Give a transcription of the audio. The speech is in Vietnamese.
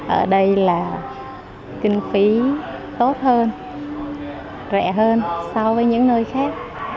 ở đây là kinh phí tốt hơn rẻ hơn so với những nơi khác